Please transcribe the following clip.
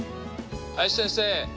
林先生